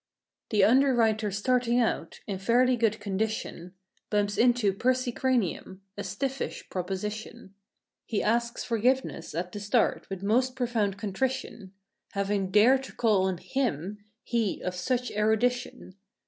The underwriter starting out, in fairly good condi¬ tion. Bumps into Percy Cranium—a stiffish proposition. He asks forgiveness, at the start, with most profound contrition. For having dared to call on hirrij he, of such erudi¬ tion.